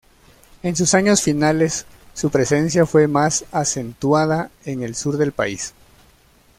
En sus años finales, su presencia fue más acentuada en el Sur del país.